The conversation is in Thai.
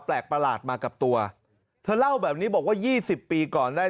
ประหลาดมากับตัวเธอเล่าแบบนี้บอกว่า๒๐ปีก่อนได้